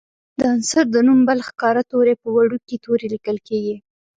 د عنصر د نوم بل ښکاره توری په وړوکي توري لیکل کیږي.